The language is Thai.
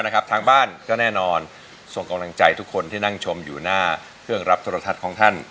ทางบ้านก็แน่นอนส่งกำลังใจทุกคนที่นั่งชมอยู่หน้าเครื่องรับโทรทัศน์ของท่าน